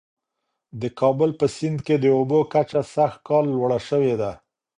د کابل په سیند کي د اوبو کچه سږ کال لوړه سوې ده.